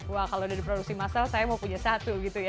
wah kalau udah diproduksi masal saya mau punya satu gitu ya